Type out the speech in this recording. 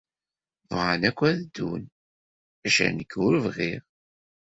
Bɣan akk ad dduɣ, maca nekk ur bɣiɣ.